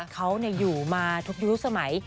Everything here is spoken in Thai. เขาอยู่มาทุกยุคสมัย